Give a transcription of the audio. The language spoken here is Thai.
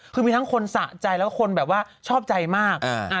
คือมีทั้งคนสะใจแล้วก็คนแบบว่าชอบใจมาก